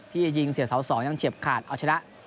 ที่ยิงเสียเสา๒ยังเฉียบขาดเอาชนะ